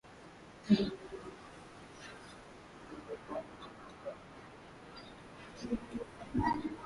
edwin david deketela kukujuza yaliojili katika habari rafiki hii leo akiangazia kupanda kwa gharama